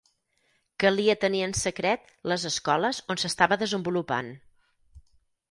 Calia tenir en secret les escoles on s'estava desenvolupant.